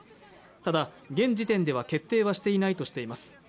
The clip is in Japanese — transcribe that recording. ただ現時点では決定はしていないとしています